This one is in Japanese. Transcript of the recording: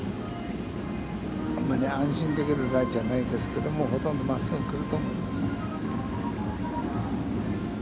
安心できるラインじゃないですけど、ほとんどまっすぐ来ると思います。